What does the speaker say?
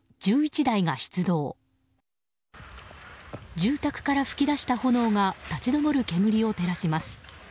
住宅から噴き出した炎が立ち上る煙を照らします。